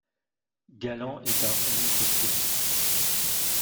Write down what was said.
Galan est un hongre gris.